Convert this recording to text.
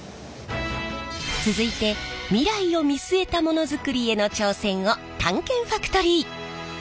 続いて未来を見据えたモノづくりへの挑戦を探検ファクトリー。